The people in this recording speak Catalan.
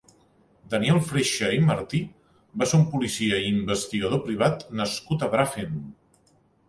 Daniel Freixa i Martí va ser un policia i imvestigador privat nascut a Bràfim.